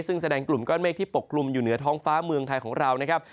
ซึ่งแสดงกลุ่มก้อนเมฆที่ปกกลุ่มอยู่เหนือท้องฟ้าเมืองไทยของเรานะครับ